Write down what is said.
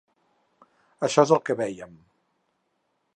Això és el que veiem.